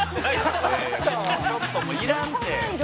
「ちょっともういらんって！」